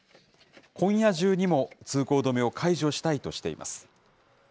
今夜中にも通行止めを解除したいとしています。